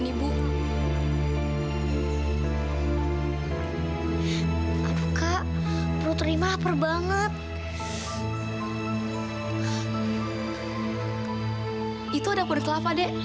di situ ada puri kelapa de